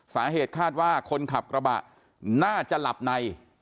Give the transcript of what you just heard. สาเหตุคาดว่าคนขับกระบะน่าจะหลับใน